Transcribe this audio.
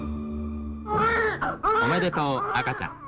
おめでとう赤ちゃん。